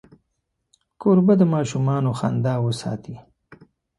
کوربه د ماشومانو خندا وساتي.